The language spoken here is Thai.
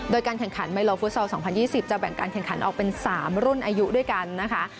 โดยการแข่งขันไมโลฟุตซอล๒๐๒๐จะแบ่งการแข่งขันออกเป็น๓รุ่นอายุด้วยกันนะคะ